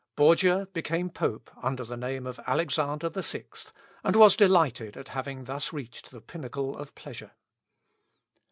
Borgia became Pope under the name of Alexander VI, and was delighted at having thus reached the pinnacle of pleasure.